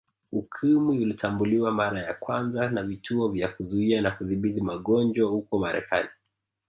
Ukimwi ulitambuliwa mara ya kwanza na Vituo vya Kuzuia na Kudhibiti magonjwa huko Marekani